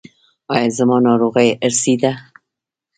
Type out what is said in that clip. ایا زما ناروغي ارثي ده؟